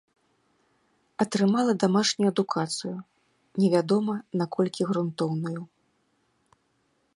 Атрымала дамашнюю адукацыю, невядома наколькі грунтоўную.